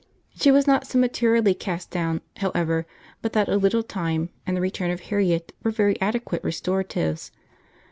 She was not so materially cast down, however, but that a little time and the return of Harriet were very adequate restoratives.